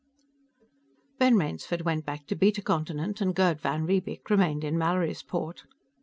XII Ben Rainsford went back to Beta Continent, and Gerd van Riebeek remained in Mallorysport.